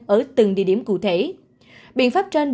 ở từng địa điểm cụ thể